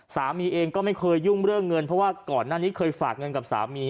สามีเองก็ไม่เคยยุ่งเรื่องเงินเพราะว่าก่อนหน้านี้เคยฝากเงินกับสามี